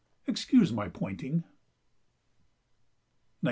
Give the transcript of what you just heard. Excuse my pointing!" 1912.